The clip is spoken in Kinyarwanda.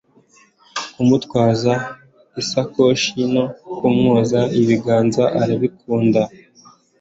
kumutwaza isakoshi no kumwoza ibiganza arabikunda,